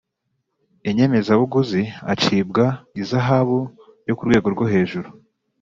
inyemezabuguzi acibwa ihazabu ryo mu rwego hejuru